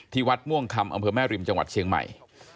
วัดม่วงคำอำเภอแม่ริมจังหวัดเชียงใหม่